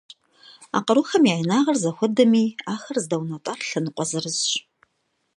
А къарухэм я инагъыр зэхуэдэми, ахэр здэунэтӏар лъэныкъуэ зырызщ.